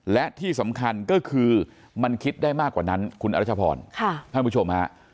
และที่สำคัญก็คือมันคิดได้มากกว่านั้นคุณอรัชพรท่านผู้ชมฮะ